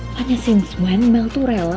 pernah sih semuanya mel itu rela